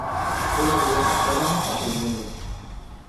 Todavía estábamos aprendiendo".